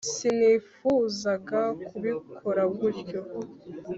] sinifuzaga kubikora gutyo.